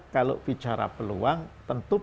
kalau bicara peluang tentu